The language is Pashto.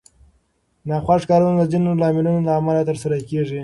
ناخوښ کارونه د ځینو لاملونو له امله ترسره کېږي.